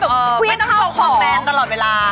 ไม่ต้องโชคคงแมนตลอดเวลา